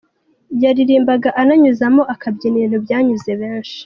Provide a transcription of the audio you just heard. Yaririmbaga ananyuzamo akabyina ibintu byanyuze benshi.